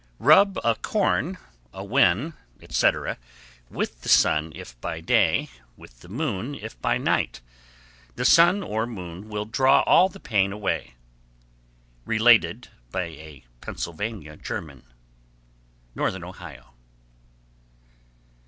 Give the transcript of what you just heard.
_ 1154. Rub a corn, a wen, etc., with the sun if by day, with the moon if by night. The sun or moon will draw all the pain away. Related by a Pennsylvania German. _Northern Ohio.